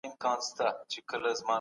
هغه کتاب چې اوبه پرې لوېدلې وې سمه سو.